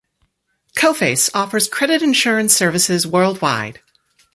Coface offers credit insurance services worldwide.